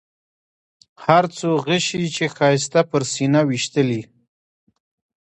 هر څو غشي چې ښایسته پر سینه ویشتلي.